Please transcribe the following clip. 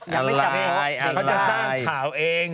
เขาจะสร้างข่าวเอง